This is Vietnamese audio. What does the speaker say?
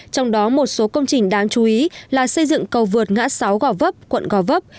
trong đó một số công trình đáng chú ý là xây dựng cầu vượt ngã sáu gò vấp quận gò vấp